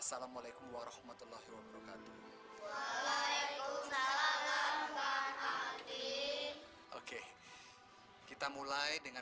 sampai jumpa di video selanjutnya